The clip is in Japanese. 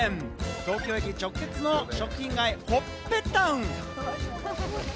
東京駅直結の食品街・ほっぺタウン。